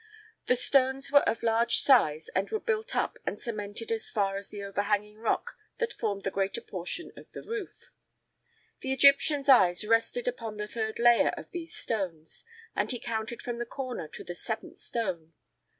The stones were of large size and were built up and cemented as far as the overhanging rock that formed the greater portion of the roof. The Egyptian's eyes rested upon the third layer of these stones, and he counted from the corner to the seventh stone.